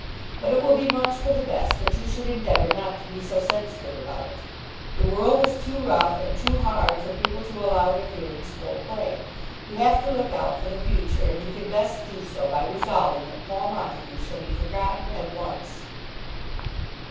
But it will be much for the best that you should endeavour not to be so sensitive about it. The world is too rough and too hard for people to allow their feelings full play. You have to look out for the future, and you can best do so by resolving that Paul Montague shall be forgotten at once."